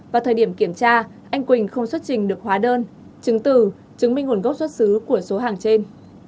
vào thời điểm kiểm tra anh quỳnh không xuất trình được hóa đơn chứng từ chứng minh nguồn gốc xuất xứ của số hàng trên